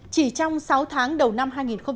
chỉ trong sáu tháng đầu năm hai nghìn một mươi sáu